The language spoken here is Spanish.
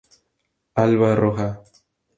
Alba Roja.